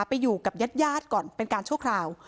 ไปอยู่กับญาติก่อนเป็นการชั่วคราว